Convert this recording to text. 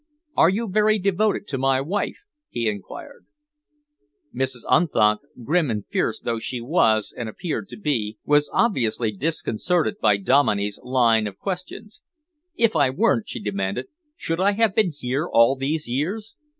"Are you very devoted to my wife?" he enquired. Mrs. Unthank, grim and fierce though she was and appeared to be, was obviously disconcerted by Dominey's line of questions. "If I weren't," she demanded, "should I have been here all these years?"